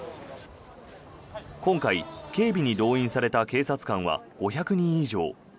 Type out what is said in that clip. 今回、警備に動員された警察官は５００人以上。